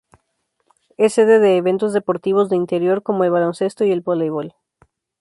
Es sede de eventos deportivos de interior como el baloncesto y el voleibol.